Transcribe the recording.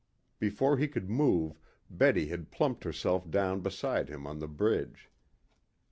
Before he could move Betty had plumped herself down beside him on the bridge.